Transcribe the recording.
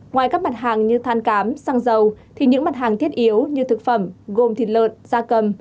ngoài các mặt hàng như than cám xăng dầu thì những mặt hàng thiết yếu như thực phẩm gồm thịt lợn da cầm